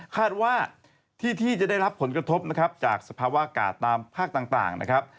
คาดว่าที่ที่จะได้รับผลกระทบนะครับจากสภาวะอากาศตามภาคต่างนะครับ